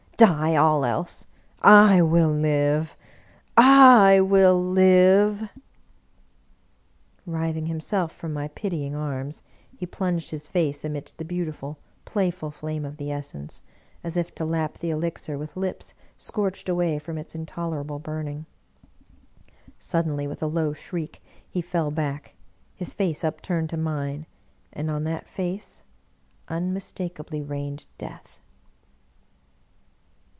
Die all else! I will live, I will live !" Writhing himself from my pitying arms, he plunged his face amidst the beautiful, playful flame of the essence, as if to lap the elixir with lips scorched away from its intolerable burning. Suddenly, with a low shriek, he fell back, his face upturned to mine, and on that face unmistakably reigned Death.